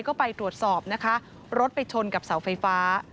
ก็ไปตรวจสอบนะคะรถไปชนกับเสาไฟฟ้า